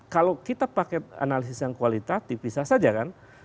kalau kita pakai analisis yang kualitatif bisa saja kan